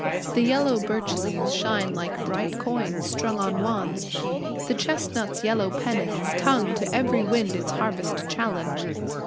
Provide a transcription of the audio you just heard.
The yellow birch leaves shine like bright coins strung On wands; the chestnut's yellow pennons tongue To every wind its harvest challenge.